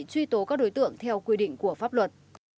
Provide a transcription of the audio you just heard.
truy tố các đối tượng theo quy định của pháp luật